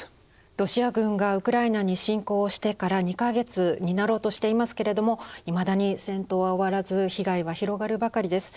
ロシア軍がウクライナに侵攻をしてから２か月になろうとしていますけれどもいまだに戦闘は終わらず被害は広がるばかりです。